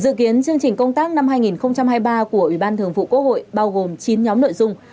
dự kiến chương trình công tác năm hai nghìn hai mươi ba của ủy ban thường vụ quốc hội bao gồm chín nhóm nội dung